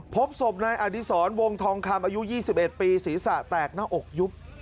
พบศพนายอดิษรวงทองคำอายุ๒๑ปีศีรษะแตกหน้าอกยุบ